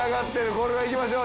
これは行きましょう。